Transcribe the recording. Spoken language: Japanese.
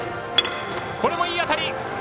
これもいい当たり！